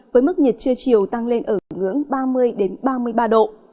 với mức nhiệt trưa chiều tăng lên ở ngưỡng ba mươi ba mươi ba độ